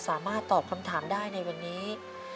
สามารถตอบคำถามได้ในวันนี้